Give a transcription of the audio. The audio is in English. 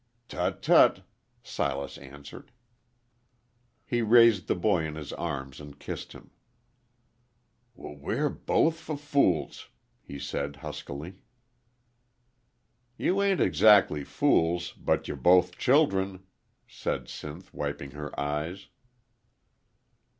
"Tut, tut!" Silas answered. He raised the boy in his arms and kissed him. "W we're both f fools," he said, huskily. "You ain't exac'ly fools, but yer both childern," said Sinth, wiping her eyes.